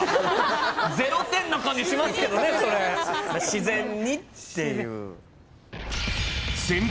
自然にっていう。